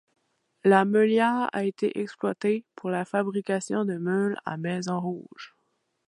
La meulière a été exploitée pour la fabrication de meules à Maison Rouge.